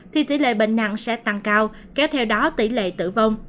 thì tỷ lệ bệnh nặng sẽ tăng cao kéo theo đó tỷ lệ tử vong